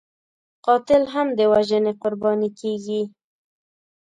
قاتل هم د وژنې قرباني کېږي